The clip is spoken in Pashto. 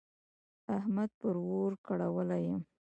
احمد پر اور کړولی يم.